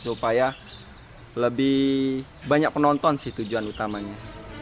supaya lebih banyak penonton sih tujuan utamanya